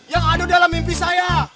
yang ada dalam mimpi saya